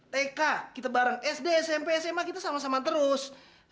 tk kita bareng sd smp sma kita sama sama terus